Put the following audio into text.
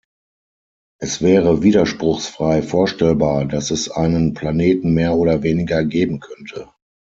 Es wäre widerspruchsfrei vorstellbar, dass es einen Planeten mehr oder weniger geben könnte.